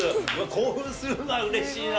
興奮する、うれしいな。